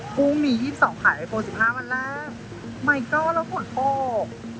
กุ้งมียี่สิบสองขายไอโฟสิบห้าวันแรกไม่ก็แล้วผ่วนโปรก